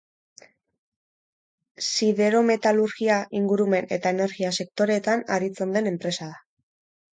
Siderometalurgia, ingurumen eta energia sektoreetan aritzen den enpresa da.